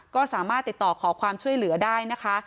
ก็สามารถติดต่อขอความช่วยเหลือได้นะคะ